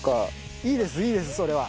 いいですいいですそれは。